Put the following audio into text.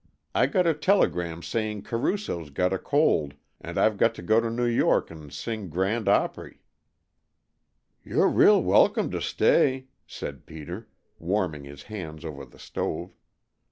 I got a telegram saying Caruso's got a cold and I've got to go to New York and sing grand opry." "You 're real welcome to stay," said Peter, warming his hands over the stove.